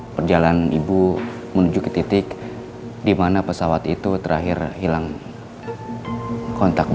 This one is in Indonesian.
perjalanan ibu menuju ke titik dimana pesawat itu terakhir hilang kontak bu